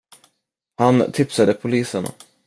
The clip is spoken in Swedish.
Han tipsade polisen.